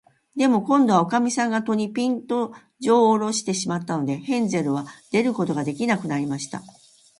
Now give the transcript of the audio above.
でも、こんどは、おかみさんが戸に、ぴんと、じょうをおろしてしまったので、ヘンゼルは出ることができなくなりました。